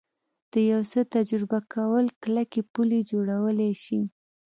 د یو څه تجربه کول کلکې پولې جوړولی شي